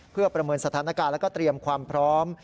เพื่อประเมินสถานการณ์แล้วก็เตรียมความพร้อม